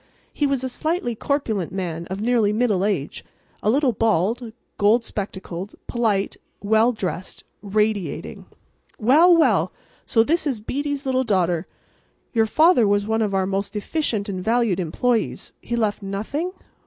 He was a slightly corpulent man of nearly middle age, a little bald, gold spectacled, polite, well dressed, radiating. "Well, well, and so this is Beatty's little daughter! Your father was one of our most efficient and valued employees. He left nothing?